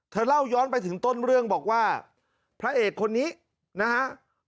เล่าย้อนไปถึงต้นเรื่องบอกว่าพระเอกคนนี้นะฮะ